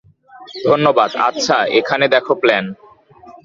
ধন্যবাদ আচ্ছা, এখানে দেখো প্ল্যান।